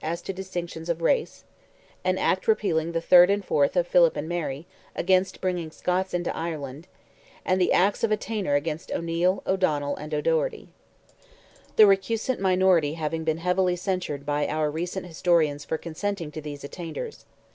as to distinctions of race; an act repealing the 3 and 4 of Philip and Mary, against "bringing Scots into Ireland," and the acts of attainder against O'Neil, O'Donnell, and O'Doherty. The recusant minority have been heavily censured by our recent historians for consenting to these attainders.